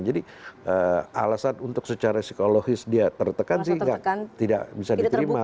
jadi alasan untuk secara psikologis dia tertekan tidak bisa diterima